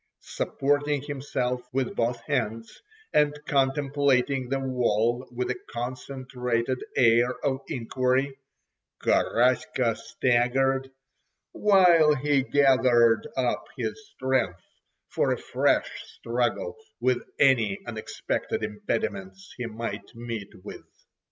Supporting himself with both hands, and contemplating the wall with a concentrated air of inquiry, Garaska staggered, while he gathered up his strength for a fresh struggle with any unexpected impediments he might meet with.